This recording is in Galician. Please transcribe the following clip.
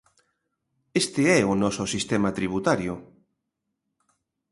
Este é o noso sistema tributario.